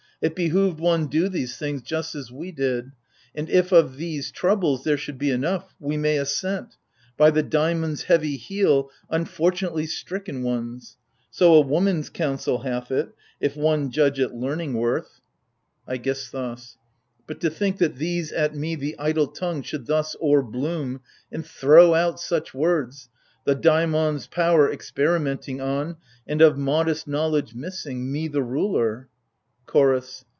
It behoved one do these things just as we did: And if of these troubles, there should be enough — we may assent — By the Daimon's heavy heel unfortunately stricken ones ! So a woman's counsel hath it — if one judge it learning worth. L 146 AGAMEMNON. AIGISTHOS. But to think that these at me the idle tongue should thus o'er bloom, And throw out such words — the Daimon's power experi menting on — And, of modest knowledge missing, — me, the ruler, ... CHOROS.